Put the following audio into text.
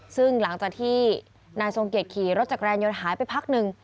ซึ่งหลังจากที่นายทรงเกียจขี่รถจักรยานยนต์หายไปพักหนึ่ง